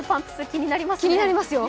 気になりますよ！